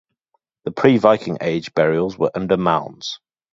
The pre-Viking Age burials were under mounds.